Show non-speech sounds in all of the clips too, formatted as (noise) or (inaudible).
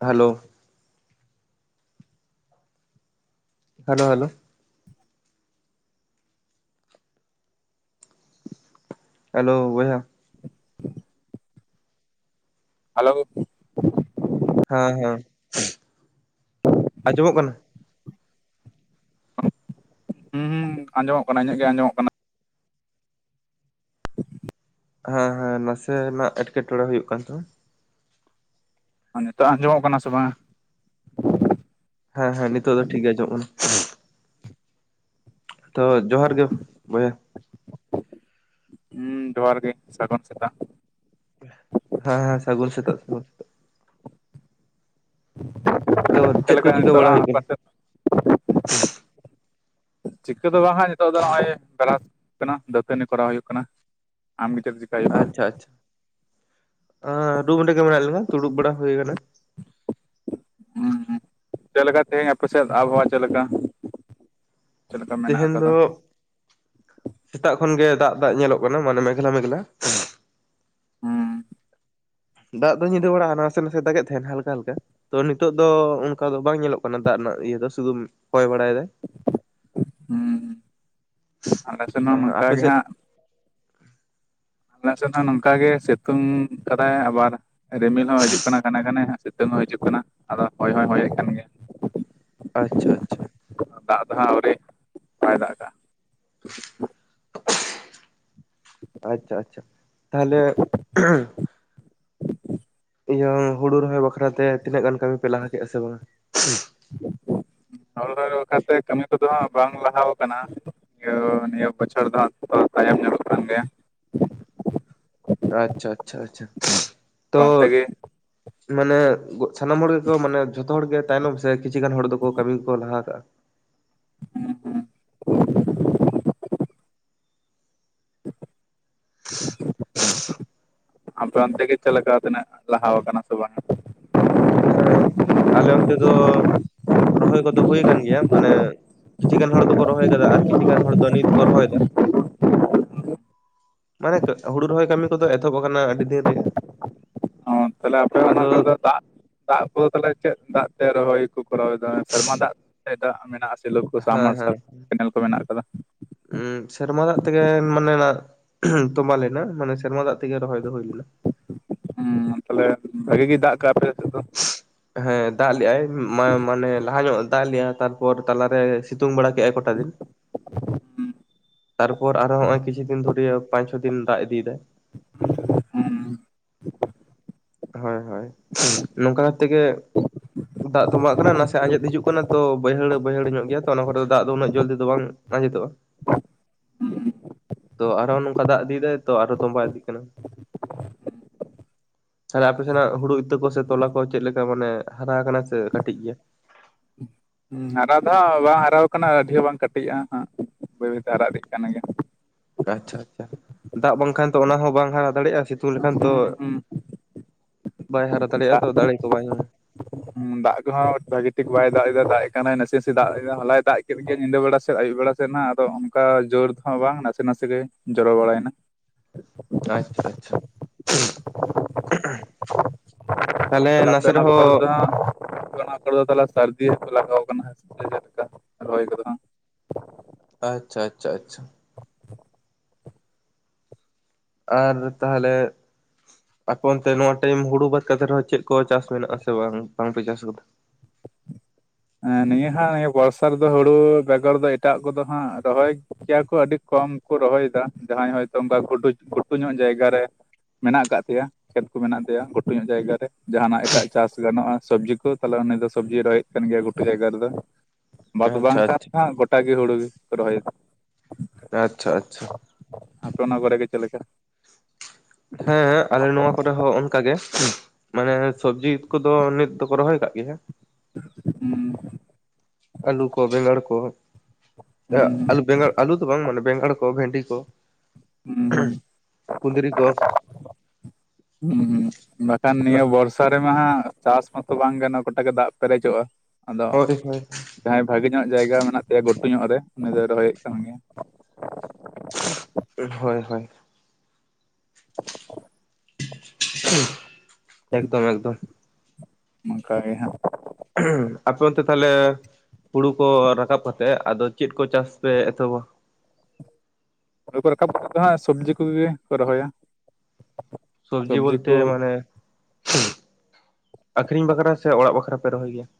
Hello hello hello hello ᱵᱚᱭᱦᱟ (unintelligible) hello ᱦᱮᱸ ᱦᱮᱸ ᱟᱸᱡᱚ ᱢᱚᱜ ᱠᱟᱱᱟ ᱦᱩᱸ ᱦᱩᱸ ᱟᱸᱡᱚᱢᱚᱜ ᱠᱟᱱᱟ ᱤᱧᱟᱹᱜ ᱜᱮ ᱟᱸᱡᱚᱢᱚᱜ ᱠᱟᱱᱟ ᱦᱮᱸ ᱦᱮᱸ ᱱᱟᱥᱮ ᱱᱟᱜ ᱮᱴᱠᱮ ᱴᱚᱬᱮ ᱦᱩᱭᱩᱜ ᱠᱟᱱ ᱛᱟᱢᱟ ᱱᱤᱛᱳᱜ ᱟᱸᱡᱚ ᱢᱚᱜ ᱠᱟᱱᱟ ᱥᱮ ᱵᱟᱝᱼᱟ ᱦᱮᱸ ᱦᱮᱸ ᱱᱤᱛᱚᱜ ᱫᱚ ᱴᱷᱤᱠ ᱜᱮ ᱟᱡᱚᱢᱚᱜ ᱠᱟᱱᱟ ᱛᱚ ᱡᱚᱦᱟᱨ ᱜᱮ ᱵᱚᱭᱦᱟ ᱦᱩᱸ ᱡᱚᱦᱟᱨ ᱜᱮ ᱥᱟᱹᱜᱩᱱ ᱥᱮᱛᱟᱜ ᱦᱮᱸ ᱦᱮᱸ ᱥᱟᱹᱜᱩᱱ ᱥᱮᱛᱟᱜ ᱛᱚ ᱪᱮᱫ ᱞᱮᱠᱟ ᱠᱚ ᱪᱤᱠᱟᱹ ᱵᱟᱲᱟ ᱦᱩᱭᱩᱜ ᱱᱤᱛᱚᱜᱼᱟᱯᱮ ᱠᱟᱱᱟ ᱥᱮᱫ ᱪᱤᱠᱟᱹ ᱫᱚ ᱵᱟᱝ ᱦᱟᱜ ᱱᱤᱛᱚᱜ ᱫᱚ ᱱᱚᱜᱼᱚᱭ ᱵᱮᱨᱟᱥ ᱠᱟᱱᱟ ᱫᱟᱹᱛᱟᱹᱱᱤ ᱠᱚᱨᱟᱣ ᱦᱳᱭᱳᱜ ᱠᱟᱱᱟ (unintelligible) ᱟᱪᱪᱷᱟ ᱟᱪᱪᱷᱟ ᱨᱩᱢ ᱨᱮ ᱜᱮ ᱢᱮᱱᱟᱜ ᱞᱤᱧᱟ ᱫᱩᱲᱩᱵ ᱵᱟᱲᱟ ᱦᱳᱭ ᱟᱠᱟᱱᱟ ᱦᱮᱸ ᱪᱮᱫ ᱞᱮᱠᱟ ᱛᱮᱦᱮᱧ ᱟᱯᱮ ᱥᱮᱫ ᱟᱵᱷᱚᱣᱟ ᱪᱮᱫ ᱞᱮᱠᱟ ᱪᱮᱫ ᱞᱮᱠᱟ ᱢᱮᱱᱟᱜ ᱛᱮᱦᱮᱧ ᱟᱠᱟᱫᱟ ᱫᱚ ᱥᱮᱛᱟᱜ ᱠᱷᱚᱱ ᱜᱮ ᱫᱟᱜ ᱫᱟᱜ ᱧᱮᱞᱚᱜ ᱠᱟᱱᱟ ᱢᱟᱱᱮ ᱢᱮᱜᱷᱞᱟ ᱢᱮᱜᱷᱞᱟ ᱦᱩᱸ ᱫᱟᱜ ᱫᱚ ᱧᱤᱫᱟᱹ ᱵᱟᱲᱟ ᱦᱟᱱᱟ ᱱᱟᱥᱮ ᱱᱟᱥᱮ ᱫᱟᱜ ᱮᱫ ᱛᱟᱦᱮ ᱱᱟ ᱦᱟᱞᱠᱟ ᱦᱟᱞᱠᱟ ᱛᱚ ᱱᱤᱛᱳᱜ ᱫᱚ ᱚᱱᱠᱟ ᱫᱚ ᱵᱟᱝ ᱧᱮᱞᱚᱜ ᱠᱟᱱᱟ ᱫᱟᱜ ᱨᱮᱱᱟᱜ ᱤᱭᱟᱹ ᱫᱚ ᱥᱩᱫᱷᱩ ᱦᱚᱭ ᱵᱟᱲᱟᱭ ᱫᱟᱭ ᱦᱩᱸ ᱟᱞᱮ ᱥᱮᱱ ᱦᱚᱸ ᱟᱯᱮ ᱱᱚᱝᱠᱟ ᱜᱮ ᱥᱮᱫ ᱦᱟᱸᱜ᱾ ᱟᱞᱮ ᱥᱮᱱ ᱦᱚᱸ ᱱᱚᱝᱠᱟ ᱜᱮ ᱥᱤᱛᱩᱝ ᱠᱟᱫᱟᱭ ᱟᱵᱟᱨ ᱨᱤᱢᱤᱞ ᱦᱚᱸ ᱦᱤᱡᱩᱜ ᱠᱟᱱᱟ ᱜᱷᱟᱱᱮ ᱜᱷᱟᱱᱮ ᱦᱟᱸᱜ ᱥᱤᱛᱩᱝ ᱦᱚᱸ ᱦᱤᱡᱩᱜ ᱠᱟᱱᱟ ᱟᱫᱚ ᱦᱚᱭ ᱦᱚᱸᱭ ᱦᱚᱭᱮᱜ ᱠᱟᱱ ᱜᱮᱭᱟ᱾ ᱟᱪᱪᱷᱟ ᱟᱪᱪᱷᱟ ᱫᱟᱜ ᱫᱚ ᱦᱟᱸᱜ ᱟᱣᱨᱤ ᱵᱟᱭ ᱫᱟᱜ ᱠᱟᱜᱼᱟ ᱾ ᱟᱪᱷᱟ ᱟᱪᱷᱟ ᱛᱟᱦᱞᱮ ᱤᱭᱟᱹ ᱦᱩᱲᱩ ᱨᱚᱦᱚᱭ ᱵᱟᱠᱷᱨᱟ ᱛᱮ ᱛᱤᱱᱟᱹᱜ ᱜᱟᱱ ᱠᱟᱹᱢᱤ ᱯᱮ ᱞᱟᱦᱟ ᱠᱮᱜᱼᱟ ᱥᱮ ᱵᱟᱝᱟ? ᱦᱳᱲᱳ ᱨᱚᱦᱚᱭ ᱵᱟᱠᱷᱟᱨ ᱛᱮ ᱠᱟᱹᱢᱤ ᱠᱚᱫᱚ ᱦᱟᱸᱜ ᱵᱟᱝ ᱞᱟᱦᱟᱣ ᱠᱟᱱᱟ ᱾ ᱤᱭᱟᱹ ᱱᱤᱭᱟᱹ ᱵᱚᱪᱷᱚᱨ ᱫᱚ ᱦᱟᱸᱜ ᱛᱟᱭᱚᱢ ᱧᱚᱜᱚᱜ ᱠᱟᱱ ᱜᱮᱭᱟ᱾ ᱟᱪᱪᱷᱟ, ᱪᱷᱟ ᱪᱷᱟ ᱚᱱᱛᱮ ᱛᱚ ᱜᱮ ᱢᱟᱱᱮ ᱥᱟᱱᱟᱢ ᱦᱚᱲ ᱜᱮᱠᱚ ᱢᱟᱱᱮ ᱡᱷᱚᱛᱚ ᱦᱚᱲ ᱜᱮ ᱛᱟᱭᱱᱚᱢ ᱥᱮ ᱠᱤᱪᱷᱩ ᱜᱟᱱ ᱦᱚᱲ ᱫᱚᱠᱚ ᱠᱟᱹᱢᱤ ᱠᱚ ᱞᱟᱦᱟ ᱠᱟᱜᱼᱟ᱾ (unintelligible) ᱟᱯᱮ ᱚᱱᱛᱮ ᱜᱮ ᱪᱮᱫ ᱞᱮᱠᱟ ᱛᱤᱱᱟᱹᱜ ᱞᱟᱦᱟᱣ ᱠᱟᱱᱟ ᱥᱮ ᱵᱟᱝᱼᱟ ᱦᱮᱸ ᱟᱞᱮ ᱚᱱᱛᱮ ᱫᱚ ᱨᱚᱦᱚᱭ ᱠᱚᱫᱚ ᱦᱩᱭ ᱠᱟᱱ ᱜᱮᱭᱟ ᱢᱟᱱᱮ ᱠᱤᱪᱷᱩ ᱜᱟᱱ ᱦᱚᱲ ᱫᱚᱠᱚ ᱨᱚᱦᱚᱭ ᱟᱠᱟᱫᱟ ᱟᱨ ᱠᱤᱪᱷᱩ ᱜᱟᱱ ᱦᱚᱲ ᱫᱚ ᱱᱤᱛ ᱠᱚ ᱨᱚᱦᱚᱭ ᱫᱟ ᱾ (inaudible) ᱢᱟᱱᱮ ᱦᱩᱲᱩ ᱨᱚᱦᱚᱭ ᱠᱟᱹᱢᱤ ᱠᱚᱫᱚ ᱮᱛᱚᱦᱚᱵ ᱠᱟᱱᱟ ᱟᱹᱰᱤ ᱫᱤᱱ ᱨᱮᱜᱮ᱾ ᱛᱟᱦᱞᱮ ᱟᱯᱮ ᱟᱫᱚ ᱚᱱᱟ ᱠᱚᱨᱮ ᱫᱚ ᱫᱟᱜ ᱫᱟᱜ ᱠᱚᱫᱚ ᱛᱟᱦᱞᱮ ᱪᱮᱫ ᱫᱟᱜ ᱛᱮ ᱨᱚᱦᱚᱭ ᱠᱚ ᱠᱚ ᱨᱟᱣᱮᱫᱟ ᱥᱮᱨᱢᱟ ᱫᱟᱜ ᱛᱮ ᱫᱟᱜ ᱢᱮᱱᱟᱜᱼᱟ ᱥᱮ? ᱦᱮᱸ ᱦᱮᱸ ᱥᱮᱨᱢᱟ ᱫᱟᱜ ᱛᱮᱜᱮ, ᱢᱟᱱᱮ ᱱᱟᱜ ᱛᱚᱢᱵᱟ ᱞᱮᱱᱟ ᱢᱟᱱᱮ ᱥᱮᱨᱢᱟ ᱫᱟᱜ ᱛᱮᱜᱮ ᱨᱚᱦᱚᱭ ᱫᱚ ᱦᱩᱭ ᱞᱮᱱᱟ ᱾ ᱦᱩᱸ ᱛᱟᱦᱚᱞᱮ ᱵᱷᱟᱜᱤ ᱜᱮ ᱫᱟᱜ ᱠᱟᱜ ᱟᱯᱮ ᱥᱮ ᱫᱚ, ᱦᱮᱸ ᱫᱟᱜ ᱞᱮᱫᱟᱭ ᱢᱟ ᱢᱟᱱᱮ ᱞᱟᱦᱟ ᱧᱚᱜ ᱮ ᱫᱟᱜ ᱞᱮᱜᱼᱟᱭ ᱛᱟᱨᱯᱚᱨ ᱛᱟᱞᱟᱨᱮ ᱥᱤᱛᱩᱝ ᱵᱟᱲᱟ ᱠᱮᱜᱼᱟᱭ ᱠᱚᱴᱟ ᱫᱤᱱ᱾ ᱛᱟᱨᱯᱚᱨ ᱟᱨᱦᱚ ᱱᱚᱜᱼᱚᱭ ᱠᱤᱪᱷᱩ ᱫᱤᱱ ᱫᱷᱩᱨᱮ ᱯᱟᱸᱪ ᱪᱷᱚ ᱫᱤᱱ ᱫᱟᱜ ᱤᱫᱤ ᱫᱟᱭ ᱾ ᱦᱩᱸ ᱦᱳᱭ ᱦᱭ ᱱᱚᱝᱠᱟ ᱠᱟᱛᱮ ᱜᱮ ᱫᱟᱜ ᱛᱚᱵᱟᱜ ᱠᱟᱱᱟ ᱱᱟᱥᱮᱭᱟᱜ ᱟᱸᱡᱮᱫ ᱦᱤᱡᱩᱜ ᱠᱟᱱᱟ ᱛᱚ ᱵᱟᱹᱭᱦᱟᱹᱲ ᱵᱟᱹᱭᱦᱟᱹᱲ ᱧᱚᱜ ᱜᱮᱭᱟ ᱛᱚ ᱚᱱᱟ ᱠᱚᱨᱮ ᱫᱚ ᱫᱟᱜ ᱫᱚ ᱩᱱᱟᱹᱜ ᱡᱚᱞᱫᱤ ᱫᱚ ᱵᱟᱝ ᱟᱸᱡᱮᱛᱚᱜᱼᱟ ᱩᱸ ᱛᱚ ᱟᱨᱦᱚᱸ ᱱᱚᱝᱠᱟ ᱫᱟᱜ ᱤᱫᱤᱭᱫᱟᱭ ᱛᱚ ᱟᱨ ᱦᱚᱸ ᱛᱚᱢᱵᱟ ᱤᱫᱤᱜ ᱠᱟᱱᱟ᱾ ᱛᱟᱦᱞᱮ ᱟᱯᱮ ᱥᱮᱱᱟᱜ ᱦᱩᱲᱩ ᱤᱛᱟᱹ ᱠᱚ ᱥᱮ ᱛᱚᱞᱟ ᱠᱚ ᱪᱮᱫ ᱞᱮᱠᱟ ᱢᱟᱱᱮ ᱦᱟᱨᱟ ᱟᱠᱟᱱᱟ ᱥᱮ ᱠᱟᱹᱴᱤᱡ ᱜᱮᱭᱟ? ᱦᱩᱸ ᱦᱟᱨᱟ ᱫᱚ ᱦᱟᱸᱜ ᱵᱟᱝ ᱦᱟᱨᱟ ᱟᱠᱟᱱᱟ ᱟᱹᱰᱤ ᱦᱚᱸ ᱵᱟᱝ ᱠᱟᱹᱴᱤᱡᱼᱟ ᱦᱟᱸᱜ ᱵᱟᱹᱭ ᱵᱟᱹᱭᱛᱮ ᱦᱟᱨᱟ ᱤᱫᱤᱜ ᱠᱟᱱ ᱜᱮᱭᱟ ᱾ ᱟᱪᱷᱟ ᱟᱪᱷᱟ ᱫᱟᱜ ᱵᱟᱝᱠᱷᱟᱱ ᱛᱚ ᱚᱱᱟ ᱦᱚᱸᱚᱸ ᱵᱟᱝ ᱦᱟᱨᱟ ᱫᱟᱲᱮᱜᱼᱟ ᱥᱮ ᱛᱩ ᱞᱮᱠᱷᱟᱱ ᱛᱚ ᱦᱩᱸ ᱦᱩᱸ ᱵᱟᱭ ᱦᱟᱨᱟ ᱫᱟᱲᱮᱟᱴᱜᱼᱟ ᱛᱚ ᱫᱟᱲᱮ ᱠᱚ ᱵᱟᱭ ᱧᱟᱢᱟ᱾ ᱩᱸ ᱫᱟᱜ ᱠᱚᱦᱚᱸ ᱵᱷᱟᱜᱤ ᱴᱷᱤᱠ ᱵᱟᱭ ᱫᱟᱜ ᱮᱫᱟ ᱫᱟᱜ ᱮ ᱠᱟᱱᱟᱭ ᱱᱟᱥᱮ ᱱᱟᱥᱮ ᱫᱟᱜ ᱮᱫᱟ ᱦᱚᱞᱟᱭ ᱫᱟᱜ ᱠᱮᱫ ᱜᱮ ᱧᱤᱫᱟᱹ ᱵᱮᱲᱟ ᱥᱮᱫ ᱟᱹᱭᱩᱵ ᱵᱮᱲᱟ ᱥᱮᱫ ᱟᱫᱚ ᱚᱱᱠᱟ ᱡᱳᱨ ᱫᱚ ᱵᱟᱝ ᱱᱟᱥᱮ ᱱᱟᱥᱮ ᱜᱮ ᱡᱚᱨᱚ ᱵᱟᱲᱟᱭᱮᱱᱟ᱾ ᱟᱪᱷᱟ ᱟᱪᱷᱟ ᱛᱟᱦᱞᱮ ᱛᱟᱦᱚᱞᱮ ᱟᱯᱮ ᱱᱟᱥᱮ ᱚᱱᱟ ᱠᱚᱨᱮ ᱨᱮᱦᱚᱸ ᱫᱚ ᱦᱟᱸᱜ ᱚᱱᱟ ᱠᱚᱨᱮ ᱫᱚ ᱛᱟᱦᱞᱮ ᱥᱟᱹᱨᱫᱤᱠᱚ ᱞᱟᱜᱟᱣ ᱠᱟᱱᱟ ᱪᱮᱫ ᱞᱮᱠᱟ ᱨᱚᱦᱚᱭ ᱠᱚᱫᱚ? ᱟᱪᱷᱟ ᱟᱪᱷᱟ ᱟᱪᱷᱟ ᱟᱨ ᱛᱟᱦᱞᱮ ᱟᱠᱯᱮ ᱚᱱᱛᱮ ᱱᱚᱣᱟ ᱴᱟᱭᱤᱢ ᱦᱩᱲᱩ ᱵᱟᱫ ᱠᱟᱛᱮ ᱨᱮᱦᱚᱸ ᱪᱮᱫ? ᱠᱚ ᱪᱟᱥ ᱢᱮᱱᱟᱜ ᱟᱥᱮ ᱵᱟᱝ ᱵᱟᱝᱯᱮ ᱪᱟᱥ ᱟᱠᱟᱫᱟ? ᱮᱸ ᱱᱤᱭᱟᱹ ᱦᱟᱸᱜ ᱱᱤᱭᱟᱹ ᱵᱚᱨᱥᱟ ᱨᱮᱫᱚ ᱦᱩᱲᱩ ᱵᱮᱜᱚᱨ ᱫᱚ ᱮᱴᱟᱜ ᱠᱚᱫᱚ ᱦᱟᱸᱜ ᱨᱚᱦᱚᱭ ᱠᱮᱭᱟ ᱠᱚ ᱟᱹᱰᱤ ᱠᱚᱢ ᱠᱚ ᱨᱚᱦᱚᱭᱫᱟ ᱡᱟᱦᱟᱸᱭ ᱦᱚᱭᱛᱚ ᱚᱝᱠᱟ ᱜᱩᱰᱩᱡ ᱜᱷᱩᱰᱩ ᱧᱚᱜ ᱡᱟᱭᱜᱟ ᱨᱮ ᱢᱮᱱᱟᱜ ᱠᱟᱫ ᱯᱮᱭᱟ? ᱠᱷᱮᱛ ᱠᱚ ᱢᱮᱱᱟᱜ ᱜᱮᱭᱟ ᱜᱷᱴᱩ ᱧᱚᱜ ᱡᱟᱭᱜᱟ ᱨᱮ ᱡᱟᱦᱱᱟᱜ ᱮᱴᱟᱜ ᱪᱟᱥ ᱜᱟᱱᱚᱜᱼᱟ ᱥᱚᱵᱽᱡᱤ ᱠᱚ ᱛᱟᱦᱚᱞᱮ ᱩᱱᱤ ᱫᱚ ᱥᱚᱵᱽᱡᱤ ᱨᱚᱦᱚᱭ ᱠᱟᱱ ᱜᱮᱭᱟ ᱜᱷᱩᱴᱩ ᱡᱟᱭᱜᱟ ᱨᱮᱫᱚ ᱵᱟᱫ ᱟᱪᱪᱷᱟ ᱵᱟᱝᱠᱷᱟᱱ ᱟᱪᱪᱷᱟ ᱜᱚᱴᱟ ᱜᱮ ᱦᱩᱲᱩ ᱜᱮᱠᱚ ᱨᱚᱦᱚᱭ ᱫᱟ ᱾ ᱟᱪᱷᱟ ᱟᱪᱷᱟ ᱟᱯᱮ ᱚᱱᱟ ᱠᱚᱨᱮ ᱜᱮ ᱪᱮᱜ ᱞᱮᱠᱟ? ᱦᱮᱸ ᱟᱞᱮ ᱱᱚᱣᱟ ᱠᱚᱨᱮ ᱦᱚᱸ ᱚᱱᱠᱟᱜ ᱜᱮ, ᱢᱟᱱᱮ ᱥᱚᱵᱡᱤ ᱠᱚᱫᱚ ᱱᱤᱛ ᱫᱚᱠᱚ ᱨᱚᱦᱚᱭ ᱟᱠᱟᱫ ᱜᱮᱭᱟ ᱦᱩᱸ ᱟᱞᱩ ᱠᱚ ᱵᱮᱸᱜᱟᱲ ᱠᱚ ᱦᱩᱸ ᱟᱞᱩ ᱵᱮᱸᱜᱟᱲ ᱟᱞᱩ ᱫᱚ ᱵᱟᱝ ᱢᱟᱱᱮ ᱵᱮᱸᱜᱟᱲ ᱠᱚ ᱵᱷᱮᱱᱰᱤ ᱠᱚ ᱦᱩᱸ ᱠᱩᱸᱫᱽᱨᱤ ᱠᱚ ᱦᱩᱸ ᱦᱩᱸ ᱦᱩᱸ ᱵᱟᱠᱷᱟᱱ ᱱᱤᱭᱟᱹ ᱵᱚᱨᱥᱟ ᱨᱮᱢᱟ ᱦᱟᱜ ᱪᱟᱥ ᱢᱟᱛᱚ ᱵᱟᱝ ᱜᱟᱱᱚᱜ ᱜᱚᱴᱟᱜ ᱜᱮ ᱫᱟᱜ ᱯᱮᱨᱮᱡᱚᱜᱼᱟ ᱟᱫᱚ ᱦᱳᱭ ᱦᱳᱭ ᱡᱟᱦᱟᱸᱭ ᱵᱷᱟᱜᱮ ᱧᱚᱜ ᱡᱟᱭᱜᱟ ᱢᱮᱱᱟᱜ ᱛᱟᱭᱟ ᱜᱷᱩᱴᱩ ᱧᱚᱜ ᱨᱮ ᱩᱱᱤ ᱫᱚᱭ ᱨᱚᱦᱚᱭᱮᱫ ᱠᱟᱱ ᱜᱮᱭᱟ᱾ ᱦᱳᱭ ᱦᱳᱭ ᱮᱠᱫᱚᱢ ᱮᱠᱫᱚᱢ ᱚᱱᱠᱟ ᱜᱮ ᱦᱟᱜ ᱟᱯᱮ ᱚᱱᱛᱮ ᱛᱟᱦᱚᱞᱮ ᱦᱩᱲᱩ ᱠᱚ ᱨᱟᱠᱟᱵ ᱠᱟᱛᱮᱜ ᱟᱫᱚ ᱪᱮᱫ ᱠᱚ ᱪᱟᱥ ᱯᱮ ᱮᱛᱚᱦᱚᱵᱼᱟ? ᱦᱩᱨᱩ ᱠᱚ ᱨᱟᱠᱟᱵ ᱠᱟᱛᱮᱛ ᱫᱚ ᱦᱟᱸᱜ ᱥᱚᱵᱽᱡᱤ ᱠᱚᱜᱮ ᱠᱚ ᱨᱚᱦᱚᱭᱟ᱾ ᱥᱚᱵᱡᱤ ᱥᱚᱵᱽᱡᱤ ᱠᱚ ᱵᱚᱞᱛᱮ ᱢᱟᱱᱮ ᱟᱠᱷᱨᱤᱧ ᱵᱟᱠᱷᱨᱟ ᱥᱮ ᱚᱲᱟᱜ ᱵᱟᱠᱷᱨᱟ ᱯᱮ ᱨᱚᱦᱚᱭ ᱜᱮᱭᱟ?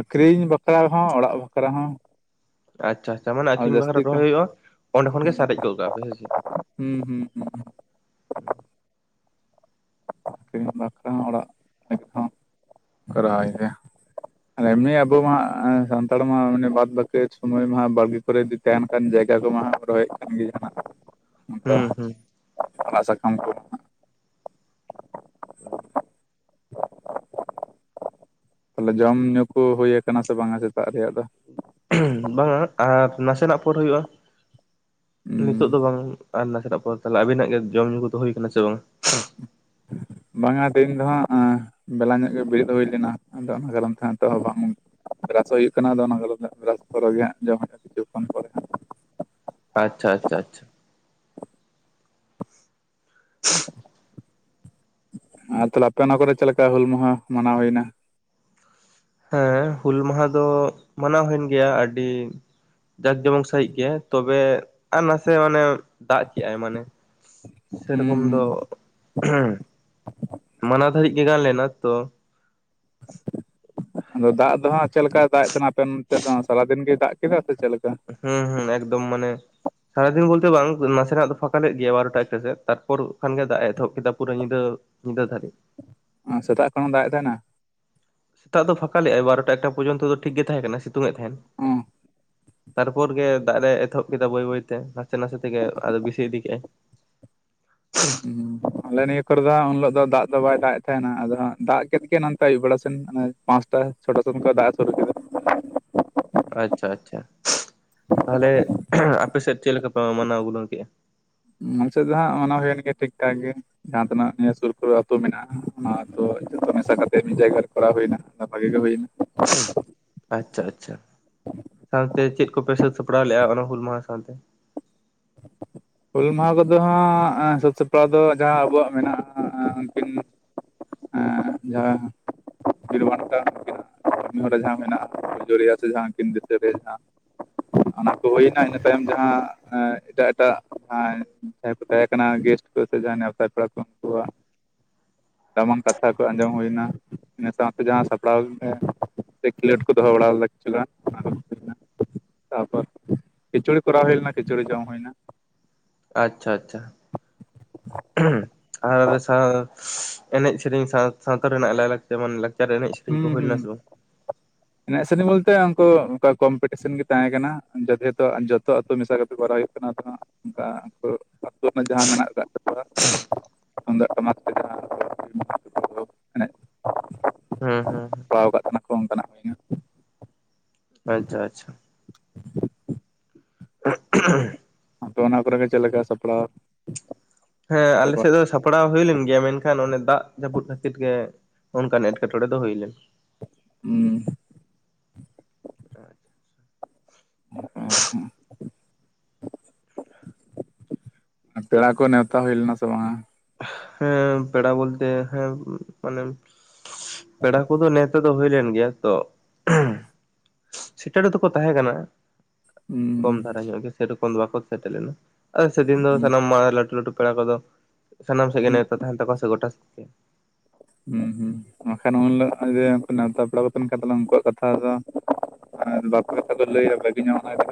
ᱟᱹᱠᱷᱨᱤᱧ ᱵᱟᱠᱷᱨᱟ ᱦᱚᱸ ᱚᱲᱟᱜ ᱵᱟᱠᱷᱨᱟ ᱦᱚᱸ ᱟᱪᱪᱷᱟ ᱟᱪᱪᱷᱟ ᱢᱟᱱᱮ ᱟ. ᱟᱨ ᱠᱷᱨᱤᱧ ᱵᱟᱠᱷᱨᱟ ᱡᱟᱹᱥᱛᱤ ᱨᱮ ᱠᱟ ᱨᱚᱦᱚᱭ ᱦᱩᱭᱩᱜᱼᱟ ᱚᱸᱰᱮ ᱠᱷᱚᱱᱜ ᱜᱮ ᱥᱟᱨᱮᱡ ᱜᱚᱫ ᱠᱟᱜᱼᱟ ᱯᱮ ᱥᱮᱪᱮᱫ ᱦᱩᱸ ᱦᱩᱸ ᱦᱩᱸ ᱦᱩᱸ ᱟᱹᱠᱷᱨᱤᱧ ᱵᱟᱠᱷᱨᱟ ᱦᱚᱸ ᱚᱲᱟᱜ ᱦᱚᱸ ᱠᱚᱨᱟᱣ ᱦᱩᱭᱩᱜᱼᱟ ᱮᱢᱱᱤ ᱟᱵᱚ ᱢᱟ ᱥᱟᱱᱛᱟᱲ ᱢᱟ ᱢᱟᱱᱮ ᱵᱟᱫ ᱵᱟᱠᱤ ᱥᱚᱢᱚᱭ ᱢᱟ ᱵᱟᱲᱜᱮ ᱠᱚᱨᱮ ᱛᱟᱦᱮᱱ ᱠᱟᱱ ᱡᱟᱭᱜᱟ ᱠᱚᱢᱟ ᱨᱚᱦᱚᱭᱮᱫ ᱠᱟᱱ ᱜᱮ ᱡᱟᱦᱱᱟᱜ ᱚᱱᱠᱟ ᱦᱩᱸ ᱦᱩᱸ ᱟᱲᱟᱜ ᱥᱟᱠᱟᱢ ᱠᱚ (inaudible) ᱛᱟᱞᱦᱮ ᱡᱚᱢ ᱧᱩ ᱠᱚ ᱦᱩᱭᱟᱠᱟᱱᱟ ᱥᱮ ᱵᱟᱝᱟ ᱥᱮᱛᱟᱜ ᱨᱮᱭᱟᱜ ᱫᱚ ᱵᱟᱝᱟ ᱟᱨ ᱱᱟᱥᱮᱱᱟᱜ ᱯᱚᱨ ᱦᱩᱭᱩᱜᱼᱟ ᱩᱸ ᱱᱤᱛᱚᱜ ᱫᱚ ᱵᱟᱝ ᱟᱨ ᱱᱟᱥᱮᱱᱟᱜ ᱯᱚᱨ ᱛᱮ ᱟᱵᱤᱱᱟᱜ ᱜᱮ ᱡᱚᱢ ᱧᱩ ᱠᱚᱫᱚ ᱦᱩᱭ ᱟᱠᱟᱱᱟ ᱥᱮ ᱵᱟᱝ ᱵᱟᱝᱟ ᱛᱮᱦᱮᱧ ᱫᱚ ᱦᱟᱜ ᱵᱮᱞᱟ ᱧᱚᱜ ᱜᱮ ᱵᱮᱨᱮᱫ ᱦᱩᱭ ᱞᱮᱱᱟ ᱟᱫᱚ ᱚᱱᱟ ᱠᱟᱨᱚᱱ ᱛᱮ ᱱᱤᱛ ᱦᱚᱸ ᱵᱟᱝ ᱨᱟᱥᱚᱜ ᱦᱩᱭᱩᱜ ᱠᱟᱱᱟ ᱟᱫᱚ ᱚᱱᱟ ᱠᱚ ᱨᱟᱥᱚᱨᱚᱜ ᱜᱮ ᱦᱟᱜ ᱡᱚᱢ ᱦᱩᱭᱩᱜᱼᱟ ᱠᱤᱪᱷᱩ ᱠᱷᱚᱱ ᱯᱚᱨᱮ ᱦᱟᱸᱜ ᱟᱪᱪᱷᱟ ᱟᱪᱷᱟ ᱟᱪᱪᱷᱟ ᱟᱨ ᱛᱟᱦᱞᱮ ᱟᱯᱮ ᱚᱱᱟ ᱠᱚᱨᱮ ᱪᱮᱫᱞᱮᱠᱟ ᱦᱩᱞ ᱢᱟᱦᱟ ᱢᱟᱱᱟᱣ ᱦᱩᱭᱱᱟ ᱦᱮᱸ ᱦᱩᱞ ᱢᱟᱦᱟ ᱫᱚ ᱢᱟᱱᱟᱣ ᱦᱩᱭᱮᱱ ᱜᱮᱭᱟ ᱟᱹᱰᱤ ᱡᱟᱸᱠ ᱡᱚᱢᱚᱠ ᱥᱟᱹᱦᱤᱡ ᱜᱮ ᱛᱚᱵᱮ ᱟᱨ ᱱᱟᱥᱮ ᱢᱟᱱᱮ ᱫᱟᱜ ᱠᱮᱫᱟᱭ ᱢᱟᱱᱮ ᱥᱮᱨᱚᱠᱚᱢ ᱫᱚ ᱦᱩᱸ ᱦᱩᱸ ᱢᱟᱱᱟ ᱫᱷᱟᱹᱨᱤᱡ ᱜᱮ ᱜᱟᱱ ᱞᱮᱱᱟ ᱛᱚ ᱟᱫᱚ ᱫᱟᱜ ᱫᱚ ᱦᱟᱜ ᱪᱮᱫ ᱞᱮᱠᱟᱭ ᱫᱟᱜ ᱮ ᱛᱟᱦᱮᱱᱟ ᱟᱯᱮ ᱱᱚᱛᱮ ᱫᱚ ᱥᱟᱨᱟᱫᱤᱱ ᱜᱮᱭ ᱫᱟᱜ ᱠᱮᱫᱟ ᱥᱮ ᱪᱮᱫᱮ ᱞᱮᱠᱟ ᱦᱩᱸ ᱦᱩᱸ ᱮᱠᱫᱚᱢ ᱢᱟᱱᱮ ᱥᱟᱨᱟᱫᱤᱱ ᱵᱚᱞᱛᱮ ᱵᱟᱝ ᱱᱟᱥᱮᱱᱟᱜ ᱫᱚ ᱯᱷᱟᱠᱟᱞᱮᱫ ᱜᱮᱭᱟ ᱵᱟᱨᱚᱴᱟ ᱮᱠᱴᱟ ᱥᱮᱫ ᱛᱟᱨᱯᱚᱨ ᱠᱷᱟᱱ ᱜᱮ ᱫᱟᱜ ᱮᱚᱦᱚᱵ ᱠᱮᱫᱟ ᱯᱩᱨᱟᱹ ᱧᱤᱫᱟᱹ ᱧᱤᱫᱟᱹ ᱫᱷᱟᱹᱨᱤᱡ ᱥᱮᱛᱟᱜ ᱠᱷᱚᱱ ᱫᱟᱜ ᱮᱫᱟᱭᱱᱟ ᱥᱮᱛᱟᱜ ᱫᱚ ᱯᱷᱟᱸᱠᱟ ᱞᱮᱟᱭ ᱵᱟᱨᱚᱴᱟ ᱮᱴᱟ ᱯᱚᱨᱡᱚᱱᱛᱚ ᱴᱷᱤᱠ ᱜᱮ ᱛᱟᱦᱮᱸ ᱠᱟᱱᱟ ᱥᱤᱛᱩᱝ ᱮ ᱛᱟᱦᱮᱸᱱ ᱚ ᱛᱟᱨᱯᱚᱨ ᱜᱮ ᱫᱟᱜ ᱨᱮ ᱮᱛᱚᱦᱚᱵ ᱠᱮᱫᱟ ᱵᱟᱹᱭ ᱵᱟᱹᱭᱛᱮ ᱱᱟᱥᱮ ᱱᱟᱥᱮ ᱛᱮᱜᱮ ᱟᱫᱚ ᱵᱮᱥᱤ ᱤᱫᱤ ᱠᱮᱫᱟᱭ ᱦᱩᱸ ᱟᱞᱮ ᱱᱤᱭᱟᱹ ᱠᱚᱨᱮ ᱫᱚ ᱩᱱ ᱦᱤᱞᱳᱜ ᱫᱚ ᱫᱟᱜ ᱫᱚ ᱵᱟᱭ ᱫᱟᱜ ᱮᱫ ᱛᱟᱦᱮᱸᱱᱟ ᱟᱫᱚ ᱫᱟᱜ ᱠᱮᱫ ᱜᱮ ᱱᱚᱛᱮ ᱟᱹᱭᱩᱵ ᱵᱮᱲᱟ ᱥᱮᱱᱮ ᱯᱟᱸᱥᱴᱟ ᱪᱷᱳᱴ ᱥᱚᱱ ᱚᱱᱠᱟ ᱫᱟᱜ ᱮ ᱥᱩᱨᱩ ᱠᱮᱫᱟ ᱟᱪᱪᱷᱟ ᱟᱪᱪᱷᱟ ᱛᱟᱦᱚᱞᱮ ᱟᱯᱮᱥᱮᱫ ᱪᱮᱫ ᱞᱮᱠᱟ ᱯᱮ ᱢᱟᱱᱟᱣ ᱜᱩᱱᱟ. ᱣ ᱠᱮᱫᱼᱟ ᱱᱚᱛᱮ ᱫᱚ ᱦᱟᱜ ᱚᱱᱟ ᱦᱩᱭᱮᱱ ᱜᱮᱭᱟ ᱴᱷᱤᱠ ᱴᱷᱟᱠ ᱜᱮ ᱡᱟᱦᱟᱸ ᱛᱤᱱᱟᱹ ᱱᱤᱭᱟᱹ ᱥᱩᱨ ᱠᱚᱨᱮ ᱟᱹᱛᱩ ᱢᱮᱱᱟᱜᱼᱟ ᱚᱱᱟ ᱟᱹᱛᱩ ᱡᱚᱛᱚ ᱢᱮᱥᱟ ᱠᱟᱛᱮ ᱢᱤᱫ ᱡᱟᱭᱜᱟ ᱨᱮ ᱠᱚᱨᱟᱣ ᱦᱩᱭᱱᱟ ᱵᱷᱟᱜᱤ ᱜᱮ ᱦᱩᱭᱱᱟ ᱟᱪᱪᱷᱟ ᱟᱪᱪᱷᱟ ᱥᱟᱶᱛᱮ ᱪᱮᱫ ᱠᱚᱯᱮ ᱥᱟᱹᱛ ᱥᱟᱯᱲᱟᱣ ᱞᱮᱫᱼᱟ ᱚᱱᱟ ᱦᱩᱞ ᱢᱟᱦᱟ ᱥᱟᱶᱛᱮ ᱦᱩᱞ ᱢᱟᱦᱟ ᱠᱚᱫᱚ ᱦᱟᱜ ᱥᱮᱛ ᱥᱟᱯᱲᱟᱣ ᱫᱚ ᱡᱟᱦᱟᱸ ᱟᱵᱚᱣᱟᱜ ᱢᱮᱱᱟᱜᱼᱟ ᱟᱵᱤᱱ ᱟᱨ ᱡᱟ ᱵᱤᱨᱵᱷᱟᱱᱴᱟᱱᱟᱜ ᱠᱟᱹᱢᱤ ᱦᱚᱨᱟ ᱡᱟᱦᱟᱸ ᱢᱮᱱᱟᱜᱼᱟ, ᱯᱩᱡ ᱨᱮᱭᱟᱜ ᱥᱮ ᱡᱟᱦᱟᱸ ᱱᱠᱤᱱ ᱫᱤᱥᱟᱹ ᱨᱮᱭᱟᱜ ᱡᱟᱦᱟᱸ ᱚᱱᱟ ᱠᱚ ᱦᱩᱭᱱᱟ, ᱤᱱᱟᱹ ᱛᱟᱭᱚᱢ ᱡᱟᱦᱟᱸ ᱮᱸ ᱮᱴᱟᱜ ᱮᱴᱟᱜ ᱡᱟᱦᱟᱸᱭ ᱠᱚ ᱛᱟᱦᱮᱸ ᱠᱟᱱᱟ, ᱜᱮᱥᱴ ᱠᱚ ᱥᱮ ᱡᱟᱦᱟᱸᱭ ᱱᱮᱣᱛᱟ ᱯᱮᱲᱟ ᱠᱚ ᱩᱸᱠᱩᱣᱟᱜ, ᱫᱟᱢᱟᱱ ᱠᱟᱛᱷᱟ ᱠᱚ ᱟᱸᱡᱚᱢ ᱦᱩᱭᱱᱟ ᱾ ᱤᱱᱟᱹ ᱥᱟᱶᱛᱮ ᱡᱟᱦᱟᱸ ᱥᱟᱯᱲᱟᱣ ᱮᱠᱷᱮᱞᱳᱰ ᱠᱚ ᱫᱚᱦᱚ ᱵᱟᱲᱟ ᱞᱮᱫᱟ ᱠᱤᱪᱷᱩᱜᱟᱱ ᱚᱱᱟ ᱾ ᱛᱟᱯᱚᱨ ᱠᱷᱤᱪᱩᱲᱤ ᱠᱚᱨᱟᱣ ᱦᱩᱭᱞᱮᱱᱟ ᱠᱷᱤᱪᱩᱲᱤ ᱡᱚᱢ ᱦᱩᱭ ᱮᱱᱟ ᱟᱪᱪᱷᱟ ᱟᱪᱪᱷᱟ, ᱟᱨ ᱥᱟᱶ ᱮᱱᱮᱡ ᱥᱮᱨᱮᱧ ᱥᱟᱶ ᱥᱟᱶᱛᱟ ᱨᱮᱱᱟᱜ ᱞᱟᱭ ᱞᱟᱠᱪᱟᱨ ᱡᱮᱢᱚᱱ ᱞᱮᱠᱪᱟᱨ ᱮᱱᱮᱡ ᱥᱮᱨᱮᱧ ᱠᱚ ᱦᱩᱸ ᱦᱩᱭ ᱦᱩᱸ ᱞᱮᱱᱟ ᱥᱮ ᱵᱟᱝ ᱮᱱᱮᱡ ᱥᱮᱨᱮᱧ ᱵᱚᱞᱛᱮ ᱩᱱᱠᱩ ᱚᱱᱠᱟ ᱮᱱᱮᱡ ᱥᱮᱨᱮᱧ ᱵᱳᱞᱛᱮ ᱠᱚᱢᱯᱤᱴᱤᱥᱮᱱ ᱜᱮ ᱛᱟᱦᱮᱸ ᱠᱟᱱᱟ ᱾ ᱡᱚᱫᱮᱦᱮᱛᱩ ᱡᱚᱛᱚ ᱟᱛᱳ ᱢᱮᱥᱟ ᱠᱟᱛᱮ ᱠᱚᱨᱟᱣ ᱦᱩᱭᱩᱜ ᱚᱱᱟ ᱠᱚᱫᱚ ᱦᱟᱸᱜ ᱱᱚᱝᱠᱟ ᱟᱛᱩ ᱨᱮᱱᱟᱜ ᱡᱟᱦᱟᱸ ᱢᱮᱱᱟᱜ ᱟᱠᱟᱫ ᱛᱟᱠᱚᱣᱟ᱾ ᱛᱩᱢᱫᱟ. ᱜ ᱴᱟᱢᱟᱜ ᱛᱮᱜᱮᱢ ᱦᱟᱜ ᱦᱩᱸ ᱦᱩᱸ ᱯᱟᱲᱟᱣ ᱠᱟᱜ ᱠᱟᱱᱟ ᱠᱚ ᱚᱱᱠᱟᱱᱟᱜ ᱦᱩᱭᱱᱟ ᱟᱪᱪᱷᱟ ᱟᱪᱪᱷᱟ, (unintelligible) ᱟᱯᱮ ᱚᱱᱟ ᱠᱚᱨᱮᱜᱮ ᱪᱮᱫ ᱞᱮᱠᱟ ᱥᱟᱯᱲᱟᱣ ᱦᱮᱸ ᱟᱯᱮ ᱠᱚ? ᱟᱞᱮᱥᱮᱫ ᱫᱚ ᱥᱟᱯ ᱥᱟᱯᱲᱟᱣ ᱦᱩᱭ ᱞᱮᱱ ᱜᱮᱭᱟ ᱢᱮᱱᱠᱷᱟᱱ ᱚᱱᱮ ᱫᱟᱜ ᱡᱟᱹᱯᱩᱫ ᱠᱷᱟᱹᱛᱤᱨ ᱜᱮ ᱚᱱᱠᱟᱱ ᱮᱴᱠᱮᱴᱚᱬᱮ ᱫᱚ ᱦᱩᱭ ᱞᱮᱱᱟ ᱦᱩᱸ ᱟᱪᱪᱷᱟ ᱟᱪᱪᱷᱟ (unintelligible) ᱟᱨ ᱯᱮᱲᱟ ᱠᱚ ᱱᱮᱣᱛᱟ ᱦᱩᱭ ᱞᱮᱱᱟ ᱥᱮ ᱵᱟᱝᱼᱟ ᱦᱮᱸ ᱯᱮᱲᱟ ᱵᱚᱞᱛᱮ ᱦᱮᱸ ᱢᱟᱱᱮ ᱯᱮᱲᱟ ᱠᱚᱫᱚ ᱱᱮᱣᱛᱟ ᱱᱤᱛᱳᱜ ᱫᱚ ᱦᱩᱭ ᱞᱮᱱ ᱜᱮᱭᱟ, ᱛᱚ ᱥᱮᱴᱮᱨᱮᱫᱚᱠᱚ ᱛᱟᱦᱮᱸ ᱠᱟᱱᱟ ᱾ ᱠᱚᱢ ᱦᱩᱸ ᱫᱷᱟᱨᱟ ᱧᱚᱜ ᱜᱮ ᱥᱮᱨᱚᱠᱚᱢ ᱫᱚ ᱵᱟᱠᱚ ᱥᱮᱴᱮᱨ ᱞᱮᱱᱟ ᱟᱨ ᱥᱮᱫᱤᱱ ᱫᱚ ᱦᱩᱸ ᱥᱟᱱᱟᱢ ᱢᱟᱲᱟᱝ ᱞᱟᱹᱴᱩ ᱞᱟᱹᱴᱩ ᱯᱮᱲᱟ ᱠᱚᱫᱚ ᱥᱟᱱᱟᱢ ᱥᱮᱫ ᱜᱮ ᱱᱮᱣᱛᱟ ᱛᱟᱦᱮᱱ ᱛᱟᱠᱚᱣᱟ ᱥᱮ ᱜᱚᱴᱟᱥᱮᱫ ᱜᱮ ᱦᱩᱸ ᱦᱩᱸ ᱵᱟᱠᱷᱟᱱ ᱩᱱᱦᱤᱞᱚᱜ ᱟᱜ ᱜᱮ ᱱᱮᱣᱛᱟ ᱯᱮᱲᱟ ᱠᱚ ᱛᱟᱦᱮᱱ ᱠᱷᱟᱱ ᱛᱟᱦᱞᱮ ᱩᱱᱠᱩᱣᱟᱜ ᱠᱟᱛᱷᱟ ᱫᱚ ᱟᱨ ᱵᱟᱠᱤ ᱠᱚᱫᱚ ᱞᱟᱹᱭᱟ ᱵᱷᱟᱹᱜᱤ ᱧᱟᱢᱚᱜ ᱚᱱᱟ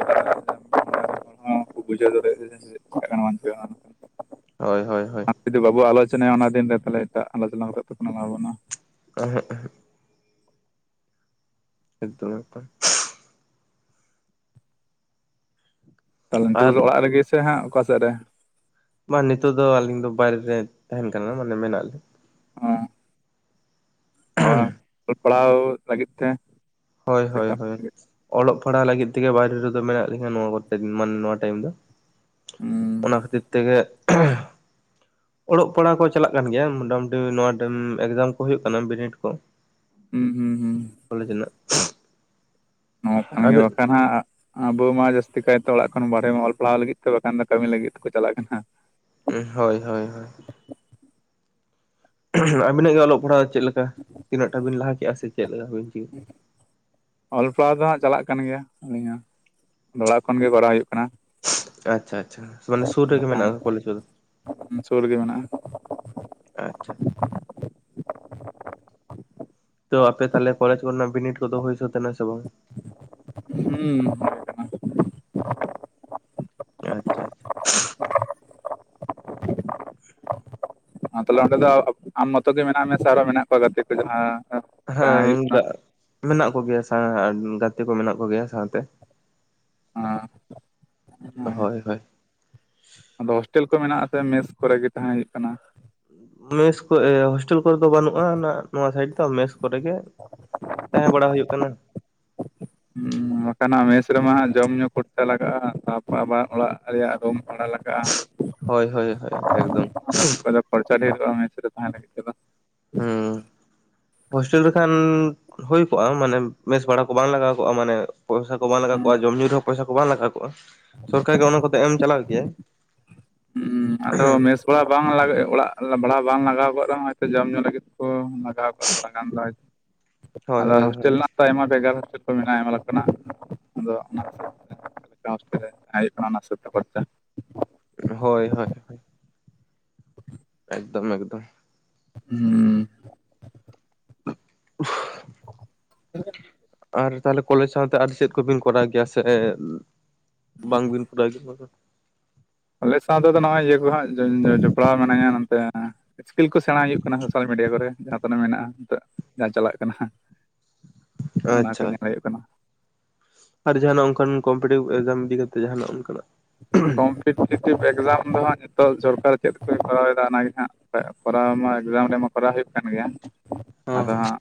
ᱦᱟᱸ ᱵᱩᱡᱷᱟᱹᱶ ᱫᱟᱲᱮᱭᱟᱜ ᱡᱤᱱᱤᱥ ᱛᱳᱲᱮᱜ ᱜᱟᱱ (unintelligible) ᱦᱳᱭ ᱦᱳᱭ ᱦᱳᱭ ᱡᱩᱫᱤ ᱵᱟᱵᱚ ᱟᱞᱳᱪᱚᱱᱟᱭᱟ ᱚᱱᱟ ᱫᱤᱱ ᱨᱮ ᱛᱟᱦᱚᱞᱮ ᱴᱟᱜ ᱟᱞᱚᱪᱚᱱᱟ ᱠᱟᱛᱮ ᱫᱚ ᱞᱟᱵ ᱵᱚᱱᱩᱜ-ᱟ (unintelligible) ᱮᱠ ᱫᱚᱢ ᱮᱠ ᱫᱚᱢ ᱛᱟᱦᱚᱞᱮ ᱱᱤᱛᱚᱜ ᱟᱨ ᱫᱚ ᱚᱲᱟᱜ ᱨᱮᱜᱮ ᱥᱮ ᱦᱟᱜ ᱚᱠᱟᱥᱮᱫ ᱨᱮ ᱵᱟᱝ ᱱᱤᱛᱚᱜ ᱫᱚ ᱟᱹᱞᱤᱧ ᱫᱚ ᱵᱟᱭᱨᱮ ᱨᱮ ᱛᱟᱦᱮᱱ ᱠᱟᱱᱟ ᱢᱟᱱᱮ ᱢᱮᱱᱟᱜ ᱞᱤᱧᱟ ᱚ ᱚ ᱚᱞ ᱯᱟᱲᱦᱟᱣ ᱞᱟᱹᱜᱤᱫ ᱛᱮ ᱦᱳᱭ ᱥᱮ ᱦᱳᱭ ᱠᱟᱹᱢᱤ ᱦᱳᱭ ᱞᱟᱹᱜᱤᱫ ᱛᱮ? ᱚᱞᱚᱜ ᱯᱟᱲᱦᱟᱜ ᱞᱟᱹᱜᱤᱫ ᱛᱮᱜᱮ ᱵᱟᱭᱨᱮ ᱨᱮᱫᱚ ᱢᱮᱱᱟᱜ ᱞᱤᱧᱟ ᱱᱚᱣᱟ ᱠᱚᱛᱮ ᱢᱟᱱᱮ ᱱᱚᱣᱟ ᱴᱟᱭᱤᱢ ᱫᱚ (unintelligible) ᱚᱱᱟ ᱠᱷᱟᱹᱛᱤᱨ ᱛᱮᱜᱮ ᱚᱞᱚᱜ ᱯᱟᱲᱦᱟᱜ ᱠᱚ ᱪᱟᱞᱟᱜ ᱠᱟᱱ ᱜᱮᱭᱟ ᱢᱚᱴᱟᱢᱩᱴᱤ ᱱᱚᱣᱟ ᱮᱠᱡᱟᱢ ᱠᱚ ᱦᱩᱭᱩᱜ ᱠᱟᱱᱟ ᱵᱤᱱᱤᱰ ᱠᱚ ᱦᱩᱸ ᱦᱩᱸ ᱦᱩᱸ ᱠᱚᱞᱮᱡᱨᱮᱱᱟᱜ ᱱᱚᱣᱟ ᱠᱟᱱ ᱜᱮ ᱵᱟᱠᱷᱟᱱ ᱦᱟᱸᱜ ᱟᱵᱚ ᱢᱟ ᱡᱟᱹᱥᱛᱤ ᱠᱟᱭᱛᱮ ᱚᱲᱟᱜ ᱠᱷᱚᱱ ᱵᱟᱨᱦᱮ ᱚᱞ ᱯᱟᱲᱦᱟᱣ ᱞᱟᱹᱜᱤᱫ ᱛᱮ ᱵᱟᱝᱠᱷᱟᱱ ᱫᱚ ᱠᱟᱹᱢᱤ ᱞᱟᱹᱜᱤᱫ ᱛᱮᱠᱚ ᱪᱟᱞᱟᱜ ᱠᱟᱱᱟ ᱦᱳᱭ ᱦᱳᱭ ᱦᱳᱭ ᱟᱵᱤᱱᱟᱜ ᱜᱮ ᱚᱞᱚᱜ ᱯᱟᱲᱦᱟᱣ ᱪᱮᱫ ᱞᱮᱠᱟ, ᱛᱤᱱᱟᱹᱜᱴᱟ ᱵᱤᱱ ᱞᱟᱦᱟ ᱠᱮᱼᱟ, ᱥᱮ ᱪᱮᱫ ᱞᱮᱠᱟ ᱵᱤᱱ? ᱚᱞ ᱯᱟᱲᱦᱟᱣ ᱫᱚ ᱦᱟᱸᱟᱜ ᱪᱟᱞᱟᱜ ᱠᱟᱱ ᱜᱮᱭᱟ, ᱟᱞᱤᱧ ᱦᱚᱸ ᱚᱲᱟᱜ ᱠᱷᱚᱱ ᱜᱮ ᱠᱚᱨᱟᱣ ᱦᱩᱭᱩᱜ ᱠᱟᱱᱟ ᱾ ᱟᱪᱪᱷᱟ ᱟᱪᱪᱷᱟ ᱢᱟᱱᱮ ᱥᱩᱨ ᱨᱮᱜᱮ ᱢᱮᱱᱟᱜᱼᱟ ᱠᱚᱞᱮᱡᱽ ᱠᱚᱫᱚ ᱤᱧ ᱥᱩᱨ ᱨᱮᱜᱮ ᱢᱮᱱᱟᱜᱼᱟ ᱟᱪᱷᱟ, ᱛᱚ ᱟᱯᱮ ᱛᱟᱦᱞᱮ ᱠᱚᱞᱮᱡᱽ ᱠᱚ ᱨᱮᱱᱟᱜ ᱵᱤᱱᱤᱴ ᱠᱚᱫᱚ ᱦᱩᱭ ᱥᱟᱹᱛ ᱮᱱᱟ ᱥᱮ ᱵᱟᱝ ᱦᱩᱸ ᱟᱪᱪᱷᱟ (unintelligible) ᱛᱟᱦᱞᱮ ᱚᱸᱰᱮ ᱫᱚ ᱟᱢ ᱢᱚᱛᱚ ᱜᱮ ᱢᱮᱱᱟᱜ ᱢᱮ ᱥᱮ ᱟᱨᱚ ᱢᱮᱱᱟᱜ ᱠᱚᱣᱟ ᱜᱟᱛᱮ ᱠᱚ ᱡᱟᱦᱟᱸ ᱛᱟᱦᱮᱸ ᱦᱮᱸ ᱦᱩᱭᱩᱜ ᱠᱟᱱᱟ ᱢᱮᱱᱟᱜ ᱠᱚᱜᱮᱭᱟ ᱜᱟᱛᱮ ᱠᱚ ᱢᱮᱱᱟᱜ ᱠᱚᱜᱮᱭᱟ ᱥᱟᱶᱛᱮ ᱦᱳᱭ ᱦᱳᱭ ᱟᱫᱚ ᱦᱳᱥᱴᱮᱞ ᱠᱚ ᱢᱮᱱᱟᱜ ᱟᱥᱮ ᱢᱮᱥ ᱠᱚᱨᱮ ᱜᱮ ᱛᱟᱦᱮᱸ ᱦᱩᱭᱩᱜ ᱠᱟᱱᱟ? ᱢᱮᱥ ᱠᱚ (unintelligible) ᱠᱚᱨᱮ ᱫᱚ ᱵᱟᱹᱱᱩᱜᱼᱟ ᱚᱱᱟ ᱱᱚᱣᱟ ᱥᱟᱭᱤᱰ ᱫᱚ ᱢᱮᱥ ᱠᱚᱨᱮ ᱜᱮ ᱛᱟᱦᱮᱸ ᱵᱟᱲᱟ ᱦᱩᱭᱩᱜ ᱠᱟᱱᱟ ᱦᱩᱸ ᱵᱟᱠᱷᱟᱱ ᱢᱮᱥ ᱨᱮᱢᱟ ᱡᱚᱢ ᱧᱩ ᱠᱷᱚᱨᱪᱟ ᱞᱟᱜᱟᱜᱼᱟ ᱛᱟᱯᱚᱨ ᱟᱵᱟᱨ ᱚᱲᱟᱜ ᱨᱮᱭᱟᱜ ᱨᱩᱢ ᱵᱷᱟᱲᱟ ᱞᱟᱜᱟᱜᱼᱟ, ᱦᱳᱭ ᱦᱳᱭ ᱦᱳᱭ ᱮᱠᱫᱚᱢ, ᱚᱱᱟ ᱠᱚᱫᱚ ᱠᱷᱚᱨᱪᱟ ᱰᱷᱮᱨ ᱠᱟᱜ-ᱟ ᱢᱮᱥ ᱨᱮ ᱛᱟᱦᱮᱸ ᱦ (unintelligible) ᱦᱩᱸ ᱦᱳᱥᱴᱮᱞ ᱨᱮᱠᱷᱟᱱ ᱦᱩᱭ ᱠᱚᱜᱼᱟ, ᱢᱟᱱᱮ ᱵᱮᱥ ᱵᱷᱟᱲᱟ ᱠᱚ ᱵᱟᱝ ᱞᱟᱜᱟᱣ ᱠᱚᱜᱼᱟ ᱢᱟᱱᱮ ᱯᱚᱭᱥᱟ ᱠᱚ ᱵᱟᱝ ᱞᱟᱜᱟᱣ ᱦᱩᱸ ᱠᱚᱜᱼᱟ, ᱡᱚᱢ ᱧᱩ ᱨᱮᱦᱚᱸ ᱯᱚᱭᱥᱟ ᱠᱚ ᱵᱟᱝ ᱞᱟᱜᱟᱣ ᱠᱚᱜᱼᱟ, ᱥᱚᱨᱠᱟᱨ ᱜᱮ ᱚᱱᱟ ᱠᱚᱫᱚ ᱮᱢ ᱪᱟᱞᱟᱣ ᱠᱮᱭᱟᱭ᱾ ᱩᱸ ᱟᱫᱚ ᱢᱮᱥ ᱛᱷᱚᱲᱟ ᱵᱟᱝ ᱞᱟᱜ ᱚᱲᱟᱜ ᱵᱷᱟᱲᱟ ᱵᱟᱝ ᱞᱟᱜᱟᱣ ᱠᱚᱜ ᱨᱮᱦᱚᱸ ᱦᱚᱭᱛᱚ ᱡᱚᱢ ᱧᱩ ᱞᱟᱹᱜᱤᱫ ᱛᱮ ᱠᱚ ᱞᱟᱜᱟᱣᱟᱜ ᱛᱷᱚᱲᱟ ᱜᱟᱱ ᱫᱚ ᱦᱳᱭ ᱟᱫᱚ ᱦᱳᱭ ᱦᱳᱥᱴᱮᱞ ᱦᱳᱭ ᱨᱮᱱᱟᱜ ᱫᱚ ᱟᱭᱢᱟ ᱵᱷᱮᱜᱟᱨ ᱦᱥᱴ (unintelligible) ᱢᱮᱱᱟᱜᱼᱟ ᱟᱭᱢᱟ ᱞᱮᱠᱟᱱᱟᱜ ᱟᱫᱚ ᱚᱱᱟ ᱱᱟᱥ ᱠᱷᱪ (unintelligible) ᱦᱳᱭ ᱦᱳᱭ (unintelligible) ᱮᱠᱫᱚᱢ ᱮᱠᱫᱚᱢ ᱦᱮᱸ ᱦ (unintelligible) ᱟᱨ ᱛᱟᱦᱚᱞᱮ ᱠᱚᱞᱮᱡᱽ ᱥᱟᱶᱛᱮ ᱟᱨ ᱪᱮᱫ ᱠᱚᱵᱤᱱ ᱠᱚᱨᱟᱣ ᱜᱮᱭᱟ ᱥᱮ ᱵᱟᱝᱵᱤᱱ ᱠᱚᱨᱟᱣ ᱜᱮᱭᱟ? ᱟᱞᱮ ᱥᱟᱶᱛᱮ ᱫᱚ ᱱᱚᱜᱼᱚᱭ ᱤᱭᱟᱹ ᱠᱚᱦᱟᱸᱜ ᱡᱚᱯᱲᱟᱣ ᱢᱤᱱᱟᱹᱧᱟ ᱱᱚᱛᱮ ᱥᱠᱤᱞ ᱠᱚ ᱥᱮᱬᱟ ᱦᱩᱭᱩᱜ ᱠᱟᱱᱟ ᱥᱳᱥᱟᱞ ᱢᱤᱰᱤᱭᱟ ᱠᱚᱨᱮ ᱡᱟᱦᱟᱸ ᱛᱟᱱᱟᱜ ᱢᱮᱱᱟᱜᱼᱟ ᱱᱤᱛ ᱡᱟᱦᱟᱸ ᱪᱟᱞᱟᱜ ᱠᱟᱱᱟ ᱚᱱᱟ ᱠᱚ ᱟᱪᱪᱷᱟ ᱧᱮᱞ ᱦᱩᱭᱩᱜ ᱠᱟᱱᱟ ᱟᱨ ᱡᱟᱦᱟᱱᱟᱜ ᱚᱱᱠᱟᱱ ᱠᱚᱢᱯᱤᱴᱤᱵᱷ ᱮᱠᱡᱟᱢ ᱤᱫᱤ ᱠᱟᱛᱮ ᱡᱟᱦᱟᱱᱟᱜ ᱚᱱᱠᱟᱱᱟᱜ? ᱠᱚᱢᱯᱤᱴᱮᱴᱤᱵᱽ ᱮᱠᱡᱟᱢ ᱫᱚ ᱦᱟᱜ ᱱᱤᱛᱚᱜ ᱥᱚᱨᱠᱟᱨ ᱪᱮᱫᱠᱚᱭ ᱠᱚᱨᱟᱣᱮᱫᱟ ᱚᱱᱟᱜᱮ ᱦᱟᱸᱜ, ᱠᱚᱨᱟᱣ ᱢᱟ ᱮᱠᱡᱟᱢ ᱨᱮᱢᱟ ᱠᱚᱨᱟᱣ ᱦᱩᱭᱩᱜ ᱠᱟᱱ ᱜᱮᱭᱟ ᱦᱚᱸ ᱟᱫᱚ ᱦᱚᱸ ᱦᱟᱸᱜ